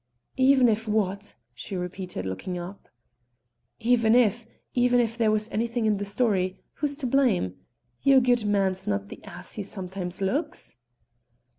"Even if what?" she repeated, looking up. "Even if even if there was anything in the story, who's to blame? Your goodman's not the ass he sometimes looks."